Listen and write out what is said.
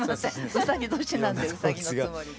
うさぎ年なんでうさぎのつもりで。